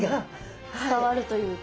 伝わるというか。